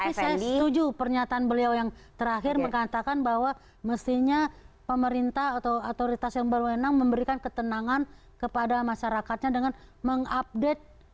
tapi saya setuju pernyataan beliau yang terakhir mengatakan bahwa mestinya pemerintah atau autoritas yang baru enang memberikan ketenangan kepada masyarakatnya dengan mengupdate masyarakat secara reguler